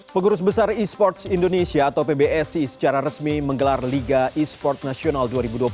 pengurus besar e sports indonesia atau pbsi secara resmi menggelar liga e sport nasional dua ribu dua puluh tiga